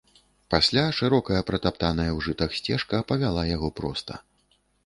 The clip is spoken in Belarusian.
Пасля шырокая, пратаптаная ў жытах сцежка павяла яго проста.